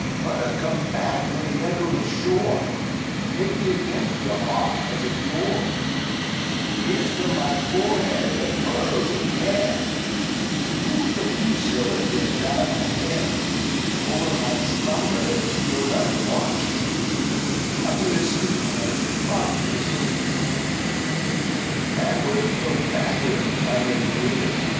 Mother, come back from the echoless shore, Take me again to your heart as of yore; Kiss from my forehead the furrows of care, Smooth the few silver threads out of my hair; Over my slumbers your loving watch keep;—Rock me to sleep, mother,—rock me to sleep! Backward, flow backward, O tide of the years!